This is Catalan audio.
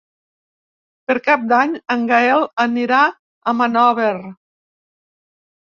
Per Cap d'Any en Gaël anirà a Monòver.